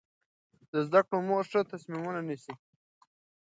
د زده کړې مور ښه تصمیمونه نیسي.